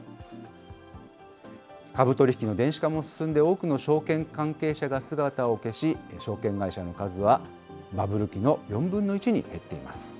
株取り引きの電子化も進んで、多くの証券関係者が姿を消し、証券会社の数はバブル期の４分の１に減っています。